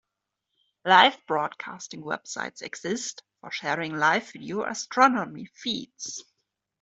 Live broadcasting websites exist for sharing live video astronomy feeds.